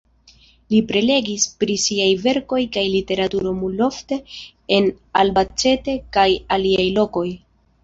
Li prelegis pri siaj verkoj kaj literaturo multfoje en Albacete kaj aliaj lokoj.